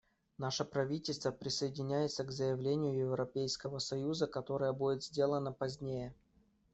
Наше правительство присоединяется к заявлению Европейского союза, которое будет сделано позднее.